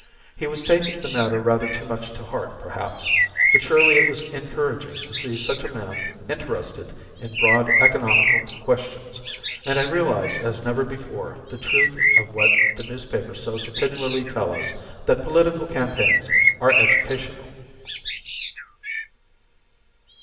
He was taking the matter rather too much to heart, perhaps; but surely it was encouraging to see such a man interested in broad economical questions, and I realized as never before the truth of what the newspapers so continually tell us, that political campaigns are educational.